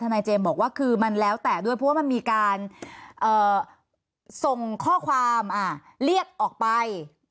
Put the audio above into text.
นายเจมส์บอกว่าคือมันแล้วแต่ด้วยเพราะว่ามันมีการส่งข้อความเรียกออกไป